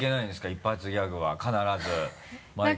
一発ギャグは必ず毎回。